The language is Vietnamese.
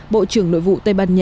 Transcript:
bộ trưởng nội vụ tây ban nha